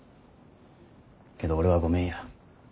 けど俺はごめんや。